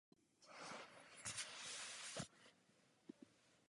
Associators are commonly studied as triple systems.